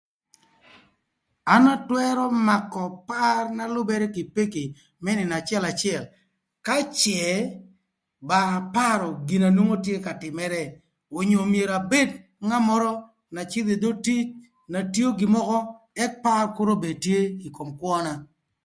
An atwërö makö par na lübërë kï peki më nïnö acëlacël ka cë ba aparö gin na nwongo tye ka tïmërë onyo myero abed ngat mörö na cïdhö ï dhö tic, na tïmö gin mökö ëk par kür obed tye ï kom kwöna.